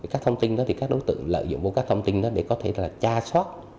các thông tin đó thì các đối tượng lợi dụng vào các thông tin đó để có thể là cha soát